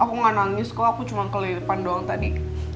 aku gak nangis kok aku cuma keliripan doang tadi